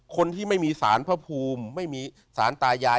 คนที่ไม่มีสารพระภูมิไม่มีสารตายาย